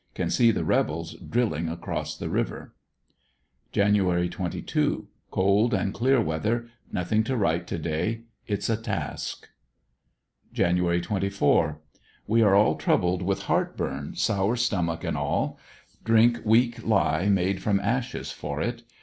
Can see the rebels drilling across the river. Jan. 22. — Cold and clear weather. Nothing to write to day. It's a task. Jan. 24. — We are all troubled with heart burn, sour stomach, &c. Drink weak lye made from ashes for it.